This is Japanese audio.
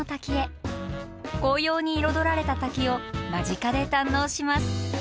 紅葉に彩られた滝を間近で堪能します。